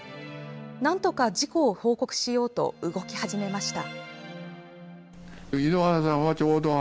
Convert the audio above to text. なんとか事故を報告しようと動き始めました。